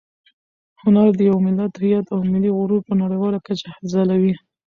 هنر د یو ملت هویت او ملي غرور په نړیواله کچه ځلوي.